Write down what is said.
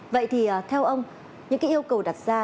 vậy thì theo ông những yêu cầu đặt ra